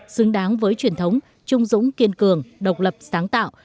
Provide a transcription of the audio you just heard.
xứng đáng với truyền thống trung dũng kiên cường độc lập sáng tạo